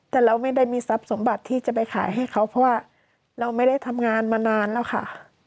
แต่เราไม่ได้มีทรัพย์สมบัติที่จะไปขายให้เขาเพราะว่าเราไม่ได้ทำงานมานานแล้วค่ะ